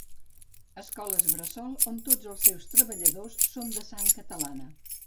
Escoles bressol on tots els seus treballadors són de sang catalana